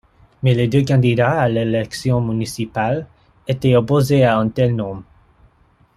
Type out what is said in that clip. Mais les deux candidats à l’élection municipale étaient opposés à un tel nom.